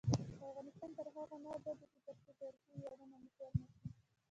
افغانستان تر هغو نه ابادیږي، ترڅو تاریخي ویاړونه مو هیر نشي.